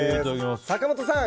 坂本さん